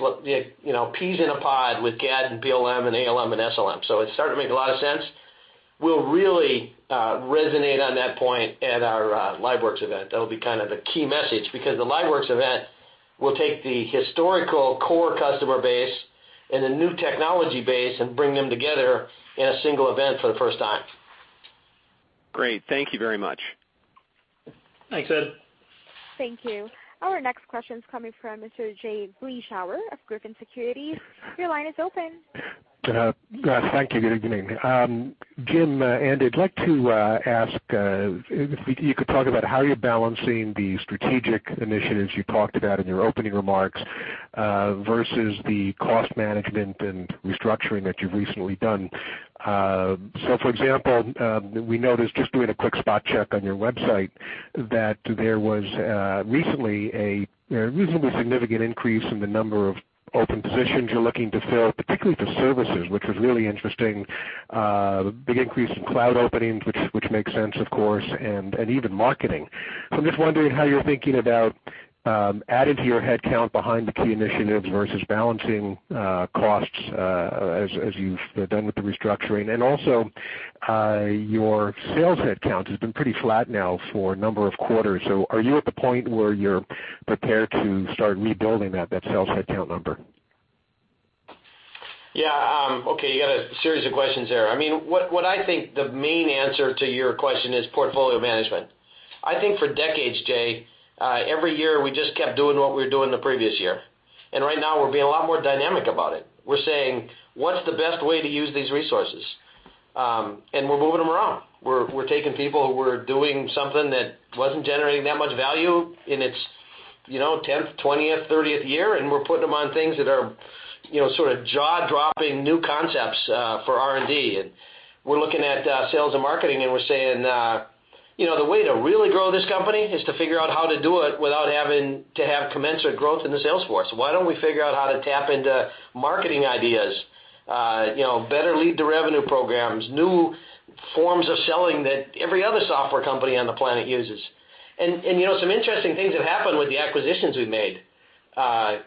peas in a pod with CAD and PLM and ALM and SLM. It's starting to make a lot of sense. We'll really resonate on that point at our LiveWorx event. That'll be the key message because the LiveWorx event will take the historical core customer base and the new technology base and bring them together in a single event for the first time. Great. Thank you very much. Thanks, Ed. Thank you. Our next question is coming from Jay Vleeschhouwer of Griffin Securities. Your line is open. Thank you. Good evening. Jim and Andy, I'd like to ask if you could talk about how you're balancing the strategic initiatives you talked about in your opening remarks versus the cost management and restructuring that you've recently done. For example, we noticed just doing a quick spot check on your website that there was recently a reasonably significant increase in the number of open positions you're looking to fill, particularly for services, which was really interesting. A big increase in cloud openings, which makes sense, of course, and even marketing. I'm just wondering how you're thinking about adding to your headcount behind the key initiatives versus balancing costs as you've done with the restructuring. Also, your sales headcount has been pretty flat now for a number of quarters. Are you at the point where you're prepared to start rebuilding that sales headcount number? Yeah. Okay. You got a series of questions there. What I think the main answer to your question is portfolio management. I think for decades, Jay, every year, we just kept doing what we were doing the previous year. Right now, we're being a lot more dynamic about it. We're saying, "What's the best way to use these resources?" We're moving them around. We're taking people who were doing something that wasn't generating that much value in its 10th, 20th, 30th year, and we're putting them on things that are sort of jaw-dropping new concepts for R&D. We're looking at sales and marketing, and we're saying, the way to really grow this company is to figure out how to do it without having to have commensurate growth in the sales force. Why don't we figure out how to tap into marketing ideas, better lead the revenue programs, new forms of selling that every other software company on the planet uses. Some interesting things have happened with the acquisitions we've made.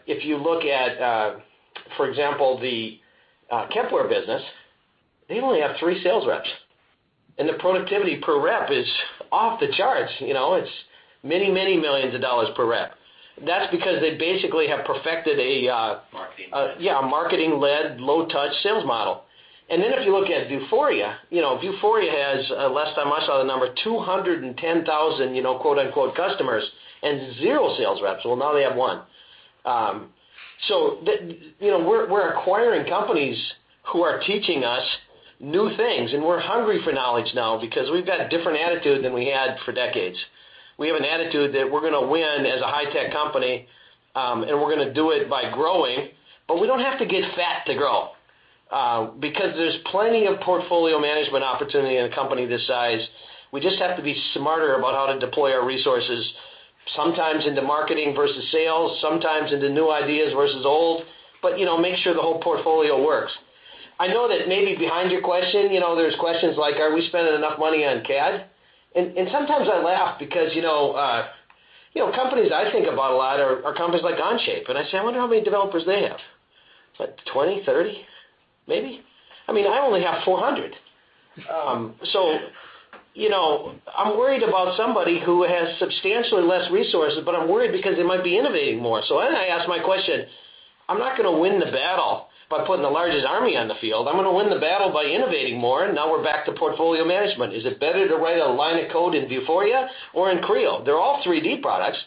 If you look at, for example, the Kepware business, they only have three sales reps, and the productivity per rep is off the charts. It's many millions of dollars per rep. That's because they basically have perfected a Marketing led. Yeah, a marketing-led, low-touch sales model. If you look at Vuforia has, last time I saw the number, 210,000, quote unquote, "customers" and 0 sales reps. Well, now they have one. We're acquiring companies who are teaching us new things, and we're hungry for knowledge now because we've got a different attitude than we had for decades. We have an attitude that we're going to win as a high-tech company, and we're going to do it by growing. We don't have to get fat to grow, because there's plenty of portfolio management opportunity in a company this size. We just have to be smarter about how to deploy our resources, sometimes into marketing versus sales, sometimes into new ideas versus old, but make sure the whole portfolio works. I know that maybe behind your question, there's questions like, are we spending enough money on CAD? Sometimes I laugh because companies I think about a lot are companies like Onshape, and I say, I wonder how many developers they have. What, 20, 30, maybe? I only have 400. I'm worried about somebody who has substantially less resources, but I'm worried because they might be innovating more. I ask my question. I'm not going to win the battle by putting the largest army on the field. I'm going to win the battle by innovating more. Now we're back to portfolio management. Is it better to write a line of code in Vuforia or in Creo? They're all 3D products.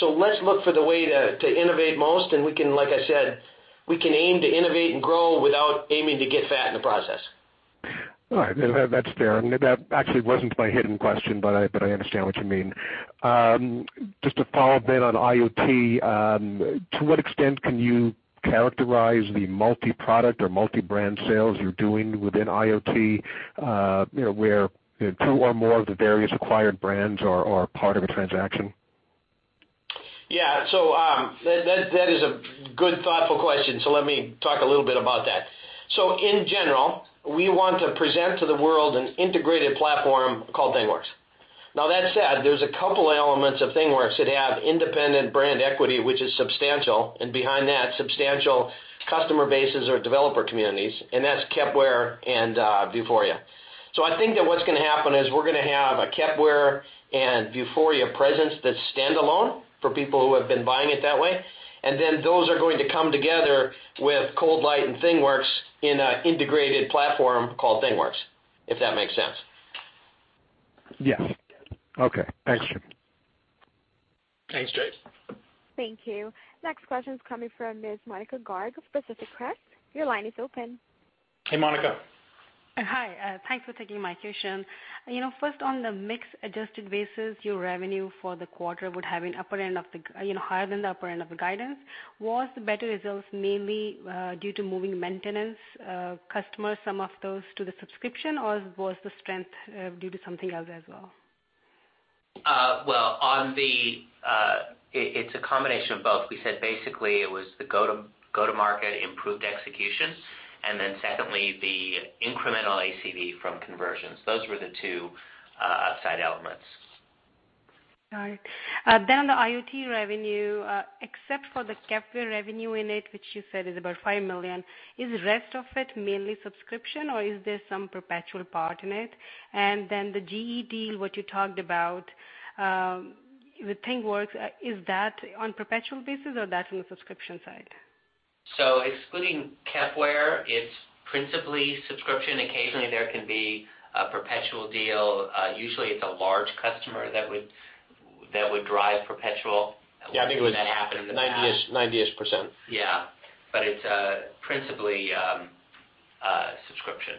Let's look for the way to innovate most, and we can, like I said, we can aim to innovate and grow without aiming to get fat in the process. All right. That's fair. That actually wasn't my hidden question, but I understand what you mean. Just a follow-up then on IoT. To what extent can you characterize the multi-product or multi-brand sales you're doing within IoT, where two or more of the various acquired brands are part of a transaction? Yeah. That is a good, thoughtful question. Let me talk a little bit about that. In general, we want to present to the world an integrated platform called ThingWorx. Now that said, there's a couple elements of ThingWorx that have independent brand equity which is substantial, and behind that, substantial customer bases or developer communities, and that's Kepware and Vuforia. I think that what's going to happen is we're going to have a Kepware and Vuforia presence that's standalone for people who have been buying it that way. Those are going to come together with ColdLight and ThingWorx in an integrated platform called ThingWorx, if that makes sense. Yeah. Okay. Thanks, Jim. Thanks, James. Thank you. Next question is coming from Ms. Monika Garg of Pacific Crest. Your line is open. Hey, Monika. Hi. Thanks for taking my question. First, on the mix adjusted basis, your revenue for the quarter would have been higher than the upper end of the guidance. Was the better results mainly due to moving maintenance customers, some of those to the subscription, or was the strength due to something else as well? Well, it's a combination of both. We said basically it was the go-to-market improved execution, and then secondly, the incremental ACV from conversions. Those were the two upside elements. All right. The IoT revenue, except for the Kepware revenue in it, which you said is about $5 million, is the rest of it mainly subscription, or is there some perpetual part in it? The GE deal, what you talked about, the ThingWorx, is that on perpetual basis or that's on the subscription side? Excluding Kepware, it's principally subscription. Occasionally, there can be a perpetual deal. Usually, it's a large customer that would drive perpetual. Yeah, I think it was. We've seen that happen in the past. 90-ish%. Yeah. It's principally subscription.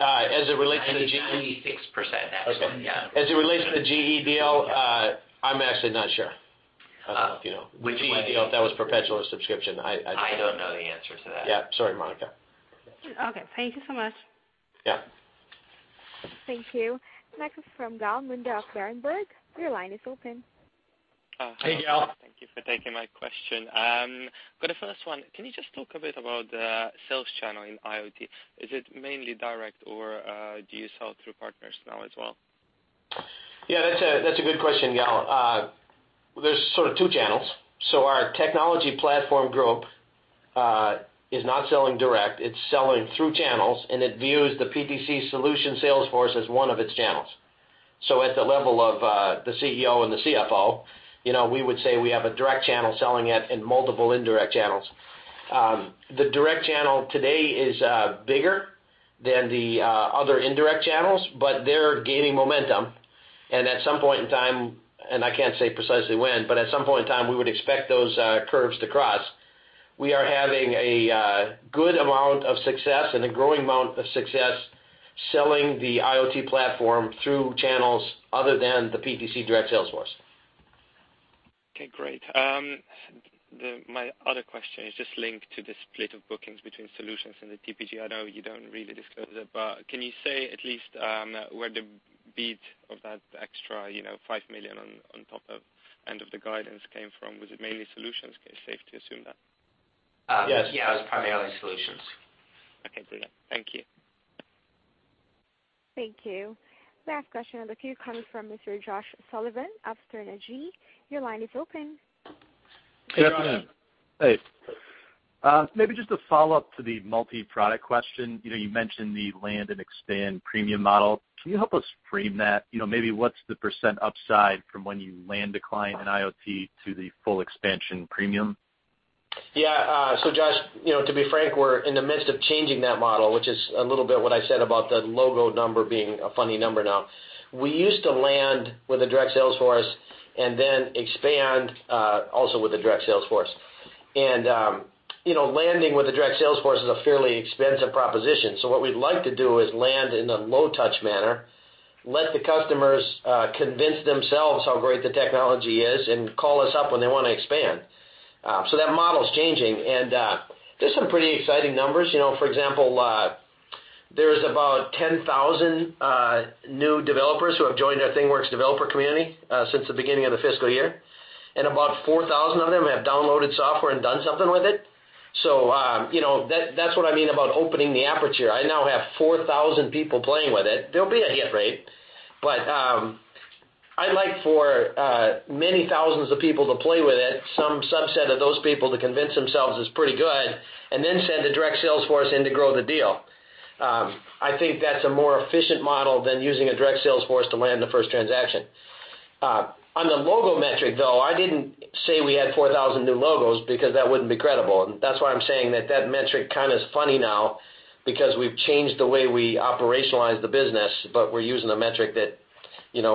As it relates to the. 96% actually. Yeah. As it relates to the GE deal, I'm actually not sure. I don't know if you know. Which GE deal? If that was perpetual or subscription. I don't know the answer to that. Yeah. Sorry, Monika. Okay. Thank you so much. Yeah. Thank you. Next is from Gal Munda of Berenberg. Your line is open. Hey, Gal. Thank you for taking my question. For the first one, can you just talk a bit about the sales channel in IoT? Is it mainly direct, or do you sell through partners now as well? Yeah, that's a good question, Gal. There's sort of two channels. Our technology platform group is not selling direct. It's selling through channels, and it views the PTC solution sales force as one of its channels. At the level of the CEO and the CFO, we would say we have a direct channel selling it in multiple indirect channels. The direct channel today is bigger than the other indirect channels, they're gaining momentum. At some point in time, and I can't say precisely when, at some point in time, we would expect those curves to cross. We are having a good amount of success and a growing amount of success selling the IoT platform through channels other than the PTC direct sales force. Okay, great. My other question is just linked to the split of bookings between solutions and the TPG. I know you don't really disclose it, can you say at least where the beat of that extra $5 million on top of end of the guidance came from? Was it mainly solutions? Is it safe to assume that? Yes. Yeah. It was primarily solutions. Okay. Thank you. Thank you. Last question of the queue comes from Mr. Josh Sullivan of Sterne Agee. Your line is open. Hey, Josh. Hey. Maybe just a follow-up to the multi-product question. You mentioned the land and expand freemium model. Can you help us frame that? Maybe what's the % upside from when you land a client in IoT to the full expansion freemium? Josh, to be frank, we're in the midst of changing that model, which is a little bit what I said about the logo number being a funny number now. We used to land with a direct sales force and then expand, also with a direct sales force. Landing with a direct sales force is a fairly expensive proposition. What we'd like to do is land in a low touch manner, let the customers convince themselves how great the technology is, and call us up when they want to expand. That model's changing, and there's some pretty exciting numbers. For example, there's about 10,000 new developers who have joined our ThingWorx developer community since the beginning of the fiscal year. About 4,000 of them have downloaded software and done something with it. That's what I mean about opening the aperture. I now have 4,000 people playing with it. There'll be a hit rate, I'd like for many thousands of people to play with it, some subset of those people to convince themselves it's pretty good, and then send a direct sales force in to grow the deal. I think that's a more efficient model than using a direct sales force to land the first transaction. On the logo metric, though, I didn't say we had 4,000 new logos because that wouldn't be credible. That's why I'm saying that metric kind of is funny now because we've changed the way we operationalize the business, but we're using a metric that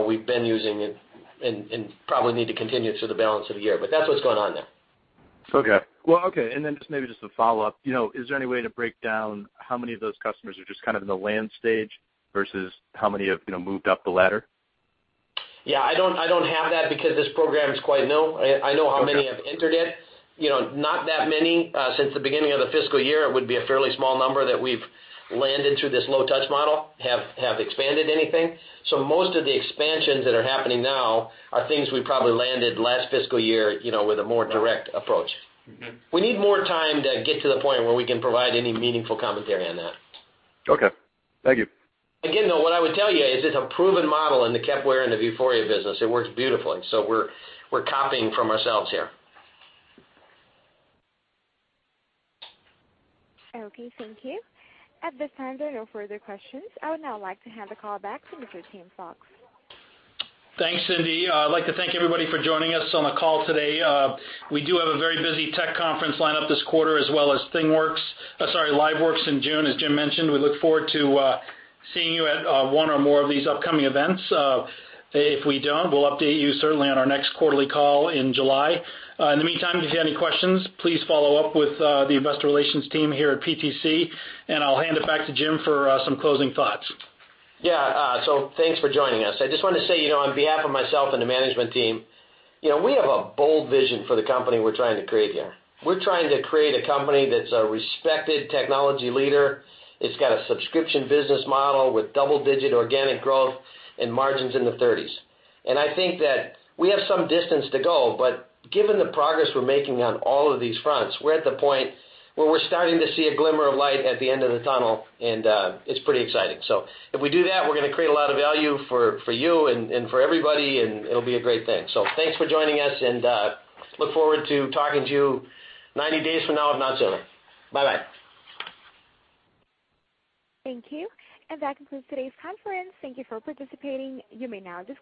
we've been using and probably need to continue through the balance of the year. That's what's going on there. Then just maybe just a follow-up. Is there any way to break down how many of those customers are just kind of in the land stage versus how many have moved up the ladder? I don't have that because this program is quite new. I know how many have entered it. Not that many. Since the beginning of the fiscal year, it would be a fairly small number that we've landed through this low touch model have expanded anything. Most of the expansions that are happening now are things we probably landed last fiscal year with a more direct approach. We need more time to get to the point where we can provide any meaningful commentary on that. Okay. Thank you. Again, though, what I would tell you is it's a proven model in the Kepware and the Vuforia business. It works beautifully. We're copying from ourselves here. Okay. Thank you. At this time, there are no further questions. I would now like to hand the call back to Mr. Tim Fox. Thanks, Cindy. I'd like to thank everybody for joining us on the call today. We do have a very busy tech conference lined up this quarter as well as ThingWorx, sorry, LiveWorx in June, as Jim mentioned. We look forward to seeing you at one or more of these upcoming events. If we don't, we'll update you certainly on our next quarterly call in July. In the meantime, if you have any questions, please follow up with the investor relations team here at PTC, and I'll hand it back to Jim for some closing thoughts. Yeah. Thanks for joining us. I just wanted to say, on behalf of myself and the management team, we have a bold vision for the company we're trying to create here. We're trying to create a company that's a respected technology leader. It's got a subscription business model with double-digit organic growth and margins in the 30s. I think that we have some distance to go, but given the progress we're making on all of these fronts, we're at the point where we're starting to see a glimmer of light at the end of the tunnel, and it's pretty exciting. If we do that, we're going to create a lot of value for you and for everybody, and it'll be a great thing. Thanks for joining us, and look forward to talking to you 90 days from now, if not sooner. Bye-bye. Thank you. That concludes today's conference. Thank you for participating. You may now disconnect.